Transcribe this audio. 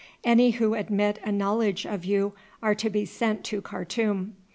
Any who admit a knowledge of you are to be sent to Khartoum.